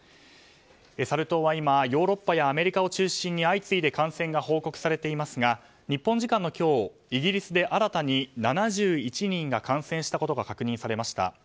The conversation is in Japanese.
サル痘は今ヨーロッパやアメリカを中心に相次いで感染が報告されていますが日本時間の今日イギリスで新たに７１人が感染したことが確認されました。